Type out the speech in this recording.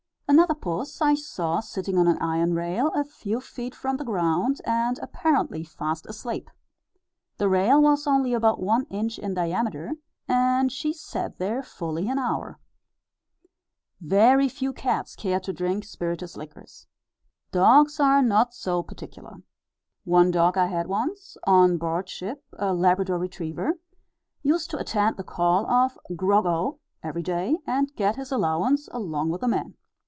Another puss I saw sitting on an iron rail, a few feet from the ground, and apparently fast asleep. The rail was only about one inch in diameter, and she sat there fully an hour. Very few cats care to drink spirituous liquors. Dogs are not so particular. One dog I had once, on board ship a Labrador retriever used to attend the call of "Grog O!" every day, and get his allowance along with the men.